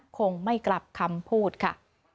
คงไม่กลับคำพูดค่ะ